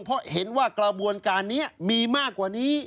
เพราะเห็นว่ากระบวนการนี้มีมากกว่านี้